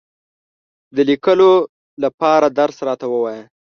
د لیکلو دپاره درس راته ووایه !